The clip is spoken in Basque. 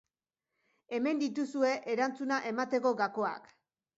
Hemen dituzue erantzuna emateko gakoak.